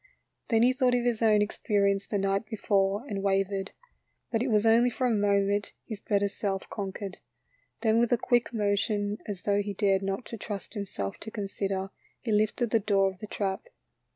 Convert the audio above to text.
Then he thought of his own experience the night before, and wavered. But it was only for a moment, his better self conquered. Then with a quick motion, as though he dared not trust himself to consider, he lifted the door of the trap.